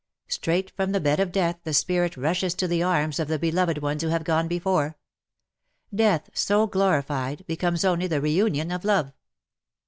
Straight from the bed of death the spirit rushes to the arms of the beloved ones who have gone before. Death, so glorified, becomes only the reunion of love.